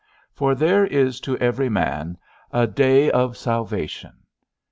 For there is to every man a day of salvation.